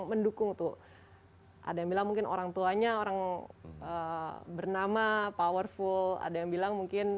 mendukung tuh ada yang bilang mungkin orang tuanya orang bernama powerful ada yang bilang mungkin